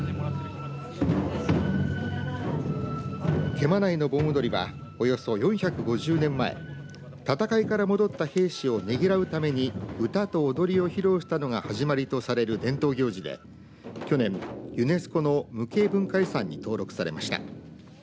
毛馬内の盆踊はおよそ４５０年前戦いから戻った兵士をねぎらうために歌と踊りを披露したのが始まりとされる伝統行事で去年、ユネスコの無形文化遺産に登録されました。